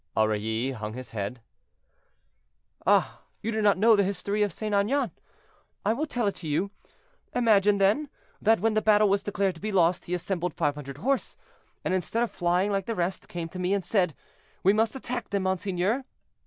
Aurilly hung his head. "Ah! you do not know the history of St. Aignan. I will tell it to you. Imagine, then, that when the battle was declared to be lost, he assembled 500 horse, and, instead of flying like the rest, came to me and said. 'We must attack them, monseigneur.'